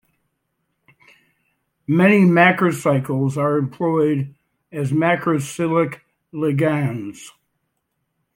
Many macrocycles are employed as macrocyclic ligands.